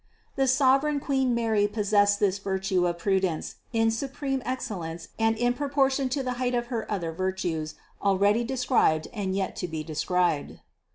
534. The sovereign Queen Mary possessed this vir tue of prudence in supreme excellence and in proportion to the height of her other virtues already described and yet to be described.